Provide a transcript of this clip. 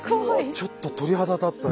ちょっと鳥肌立った今。